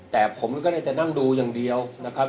แต่ผมก็น่าจะนั่งดูอย่างเดียวนะครับ